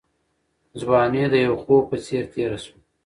ځواني د یو خوب په څېر تېره شوه.